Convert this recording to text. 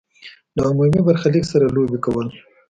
له عمومي برخلیک سره لوبې کول.